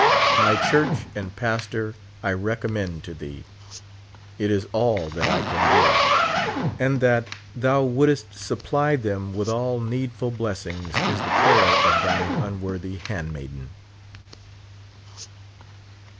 My church and pastor I recommend to thee. It is all that I can do ; and that thou wouldst supply them with all needful blessings is the prayer of thine unworthy handmaiden.